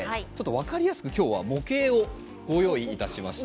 分かりやすく今日は模型をご用意いたしました。